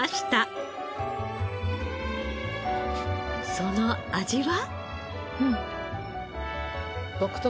その味は？